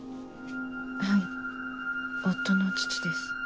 はい夫の父です。